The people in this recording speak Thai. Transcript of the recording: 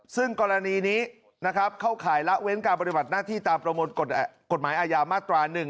ซึ่งกรณีนี้นะครับเข้าข่ายละเว้นการปฏิบัติหน้าที่ตามประมวลกฎหมายอาญามาตรา๑